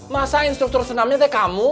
masa instruktur senamnya itu kamu